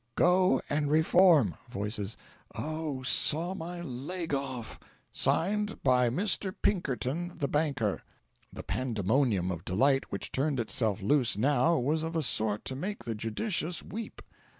Go, and reform."' (Voice. "Oh, saw my leg off!") Signed by Mr. Pinkerton the banker." The pandemonium of delight which turned itself loose now was of a sort to make the judicious weep.